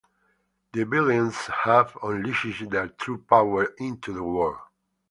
The villains have unleashed their true power onto the world.